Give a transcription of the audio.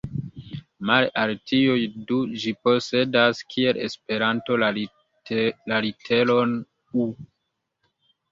Male al tiuj du ĝi posedas, kiel Esperanto, la literon "ŭ".